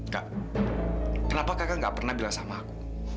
kak kenapa kakak gak pernah bilang sama aku